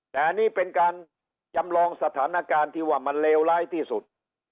แต่อันนี้เป็นการจำลองสถานการณ์ที่ว่ามันเลวร้ายที่สุด